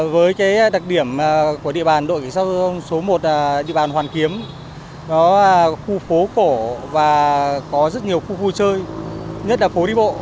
với đặc điểm của địa bàn đội kỹ sát giao thông số một là địa bàn hoàn kiếm nó là khu phố cổ và có rất nhiều khu vui chơi nhất là phố đi bộ